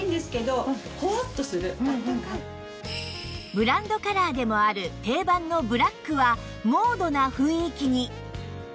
ブランドカラーでもある定番のブラックはモードな雰囲気に